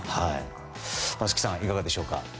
松木さん、いかがですか？